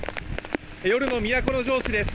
夜の都城市です。